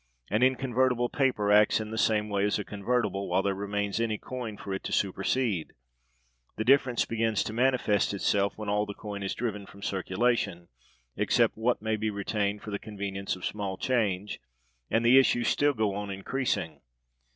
An inconvertible paper acts in the same way as a convertible, while there remains any coin for it to supersede; the difference begins to manifest itself when all the coin is driven from circulation (except what may be retained for the convenience of small change), and the issues still go on increasing.